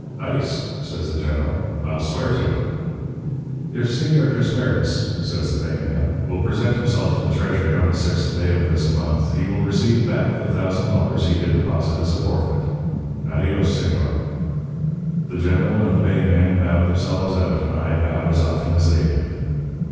"'Ice,' says the General; 'I'll swear to it.' "'If Señor Casparis,' says the bay man, 'will present himself to the treasury on the sixth day of this month he will receive back the thousand dollars he did deposit as a forfeit. Adios, señor.' "The General and the bay man bowed themselves out, and I bowed as often as they did.